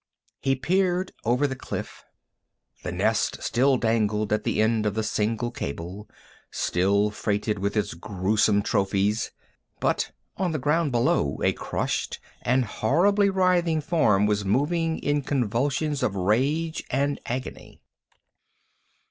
He peered over the cliff. The nest still dangled at the end of the single cable, still freighted with its gruesome trophies, but on the ground below a crushed and horribly writhing form was moving in convulsions of rage and agony.